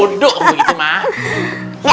unduh gitu mak